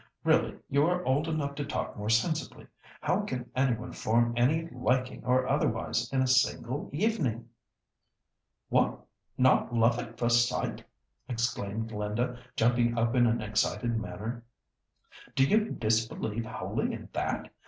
Really you are old enough to talk more sensibly. How can any one form any liking or otherwise in a single evening?" "What, not love at first sight?" exclaimed Linda, jumping up in an excited manner. "Do you disbelieve wholly in that?